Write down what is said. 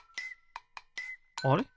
あれ？